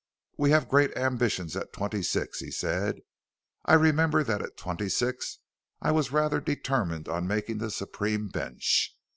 "We have great ambitions at twenty six," he said. "I remember that at twenty six I was rather determined on making the Supreme bench.